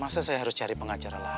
masa saya harus cari pengacara lagi